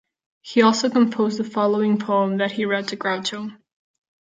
He also composed the following poem that he read to Groucho.